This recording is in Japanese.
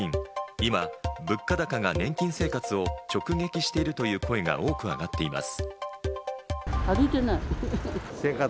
今、物価高が年金生活を直撃しているという声が多く上がっています。